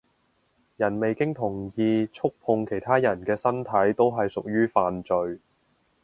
人未經同意觸碰其他人嘅身體都係屬於犯罪